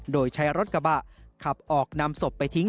โดยใช้รถกระบะขับออกนำศพไปทิ้ง